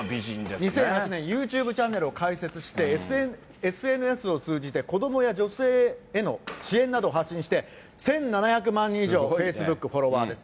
２００８年、ユーチューブチャンネルを開設して、ＳＮＳを通じて、子どもや女性への支援などを発信して、１７００万人以上、フェイスブックフォロワーです。